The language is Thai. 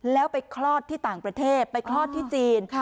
แล้วไปคลอดที่ต่างประเทศไปคลอดที่จีน